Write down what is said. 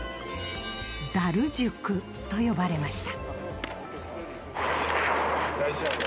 ダル塾と呼ばれました。